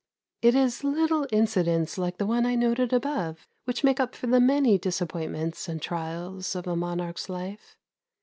It is little incidents like the one I noted above which make up for the many disappointments and trials of a monarch's life.